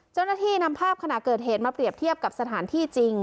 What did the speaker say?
เจ้าหน้าที่นำภาพขณะเกิดเหตุมาเปรียบเทียบกับสถานที่จริง